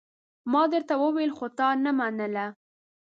ما درته وويل خو تا نه منله!